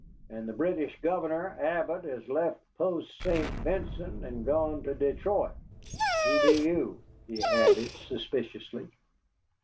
"And the British Governor Abbott has left Post St. Vincent and gone to Detroit. Who be you?" he added suspiciously.